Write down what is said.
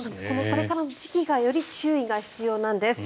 これからの時期がより注意が必要なんです。